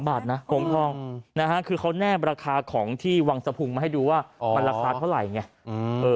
บาทนะของทองนะฮะคือเขาแนบราคาของที่วังสะพุงมาให้ดูว่ามันราคาเท่าไหร่ไง